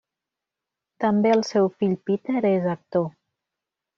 També el seu fill Peter és actor.